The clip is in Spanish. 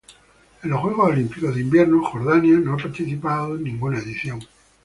En los Juegos Olímpicos de Invierno Jordania no ha participado en ninguna edición.